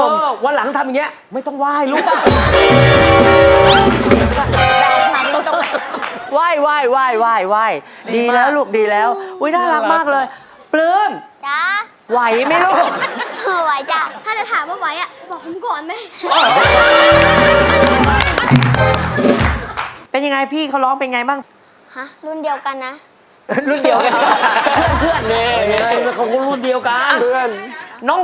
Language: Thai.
มันต้องไปดีตรงซีนหนึ่ง